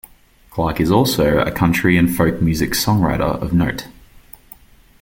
Clark is also a country and folk music songwriter of note.